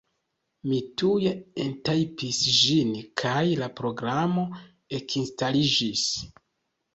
Mi tuj entajpis ĝin, kaj la programo ekinstaliĝis.